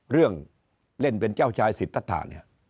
เรื่องเล่นเป็นเจ้าชายศริษฐภา